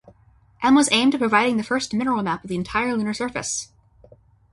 M was aimed at providing the first mineral map of the entire lunar surface.